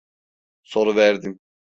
Soruverdim...